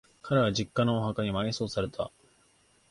彼は、実家のお墓に埋葬された。